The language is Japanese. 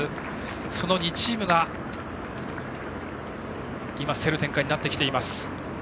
その２チームが競る展開になってきています。